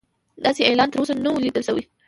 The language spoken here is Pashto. داسې اعلان تر اوسه نه و لیدل شوی.